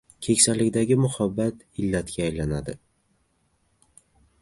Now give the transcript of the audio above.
Keksalikdagi muhabbat illatga aylanadi.